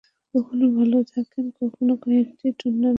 কখনো ভালো থাকেন, কখনো কয়েকটি টুর্নামেন্ট বাদ দিয়ে কোনো একটাতে খেলতে নামেন।